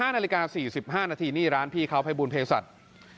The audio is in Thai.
๕นาฬิกา๔๕นาทีนี่ร้านพี่เขาภัยบูลเพศัตริย์